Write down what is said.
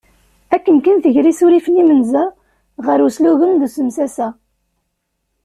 Akken kan tger isurifen imenza ɣer uslugen d usemsasa.